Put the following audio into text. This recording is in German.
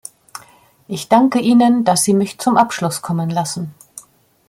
Ich danke Ihnen, dass sich mich zum Abschluss kommen lassen.